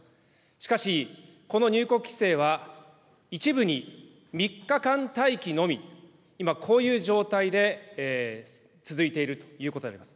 しかし、この入国規制は、一部に３日間待機のみ、今、こういう状態で続いているということになります。